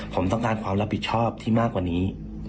ผมต้องการความรับผิดชอบที่มากกว่านี้